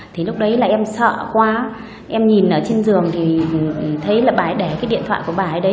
thì lúc đấy là em sợ quá em nhìn ở trên giường thì thấy là bà ấy để cái điện thoại của bà ấy đấy